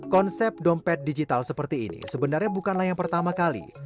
konsep dompet digital seperti ini sebenarnya bukanlah yang pertama kali